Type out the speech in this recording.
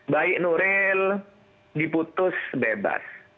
baik nuril diputus bebas